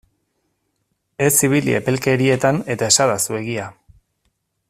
Ez ibili epelkerietan eta esadazu egia!